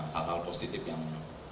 hal hal positif yang